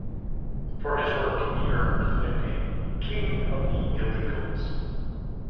For his work he earned the nickname "King of the Illegals".